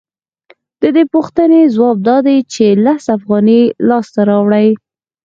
د دې پوښتنې ځواب دا دی چې لس افغانۍ لاسته راوړي